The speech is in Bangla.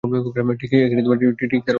ঠিক তার উল্টো টা।